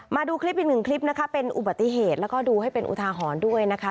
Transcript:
มาดูคลิปอีกหนึ่งคลิปนะคะเป็นอุบัติเหตุแล้วก็ดูให้เป็นอุทาหรณ์ด้วยนะคะ